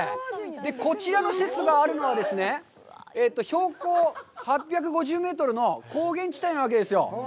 こちらの施設があるのはですね、標高８５０メートルの高原地帯なわけですよ。